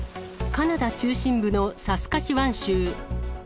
カナダ中心部のサスカチワン州。